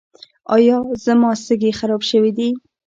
ایا زما سږي خراب شوي دي؟